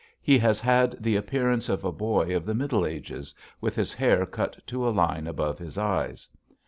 He has had the appearance of a boy of the Middle Ages with his hair cut to a line above his eyes.